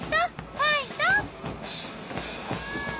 ファイト！